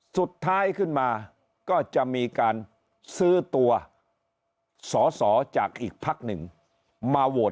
สุดท้ายขึ้นมาก็จะมีการซื้อตัวสอสอจากอีกพักหนึ่งมาโหวต